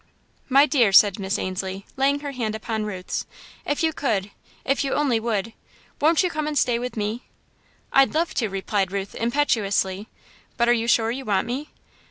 "My dear," said Miss Ainslie, laying her hand upon Ruth's, "if you could, if you only would won't you come and stay with me?" "I'd love to," replied Ruth, impetuously, "but are you sure you want me?"